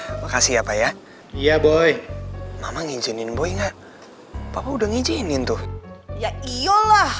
iya aduh makasih ya pak ya iya boy mama ngizinin boy enggak papa udah ngizinin tuh